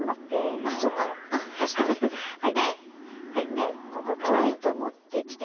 でここから糸持ってきて。